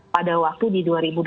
pada waktu di dua ribu dua puluh